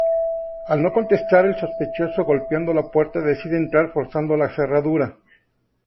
Al no contestar el sospechoso golpeando la puerta decide entrar forzando la cerradura.